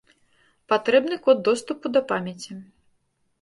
Патрэбны код доступу да памяці.